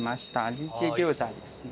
李姐餃子ですね。